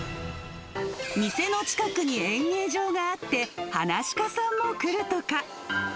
店の近くに演芸場があって、はなし家さんも来るとか。